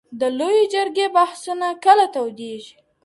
د لويي جرګې بحثونه کله تودېږي؟